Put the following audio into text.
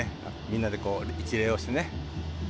みんなで一礼をしてね。